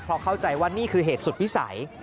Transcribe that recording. เพราะเข้าใจว่านี่คือเหตุสุดวิสัย